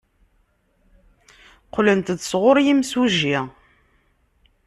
Qqlent-d sɣur yimsujji.